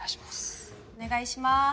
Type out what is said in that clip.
お願いします